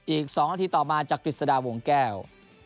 อีก๒นาทีต่อมาจากกฤษฎาวงแก้ว